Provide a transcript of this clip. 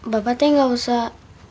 bapak teh gak usah